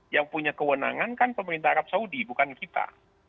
yang punya kewenangan kan pemerintah arab saudi bukan kita